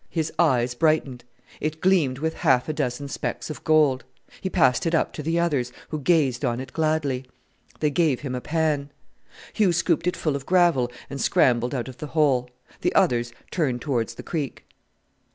His eyes brightened. It gleamed with half a dozen specks of gold. He passed it up to the others, who gazed on it gladly. They gave him a pan. Hugh scooped it full of gravel and scrambled out of the hole. The others turned towards the creek.